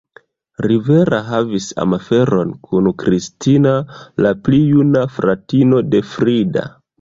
Rivera havis amaferon kun Cristina, la pli juna fratino de Frida.